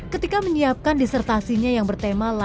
ketika menyiapkan disertasinya yang bertema lagu